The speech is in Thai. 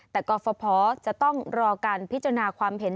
แต่กรฟภจะต้องรอการพิจารณาความเห็น